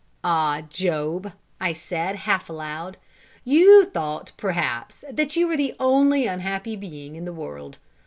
"Ah, Job," I said, half aloud, "you thought, perhaps, that you were the only unhappy being in the world.